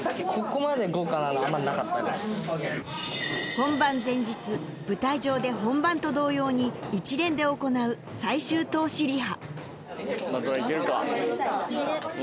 本番前日舞台上で本番と同様に一連で行う最終通しリハ